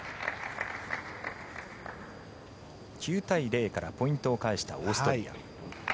９対０からポイントを返したオーストリア。